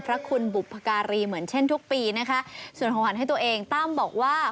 พระคุณบุพการีเหมือนเช่นทุกปีนะคะส่วนของขวัญให้ตัวเองตั้มบอกว่า